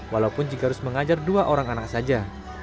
walaupun jika harus mengajar dua orang anak saja